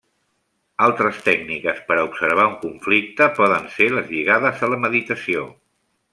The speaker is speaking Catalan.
Altres tècniques per a observar un conflicte poden ser les lligades a la meditació.